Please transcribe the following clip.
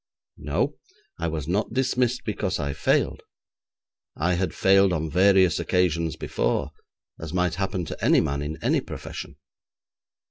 No, I was not dismissed because I failed. I had failed on various occasions before, as might happen to any man in any profession.